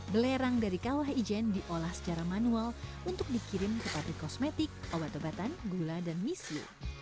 belerang dari kauhaijen diolah secara manual untuk dikirim ke patrik kosmetik obat obatan gula dan misli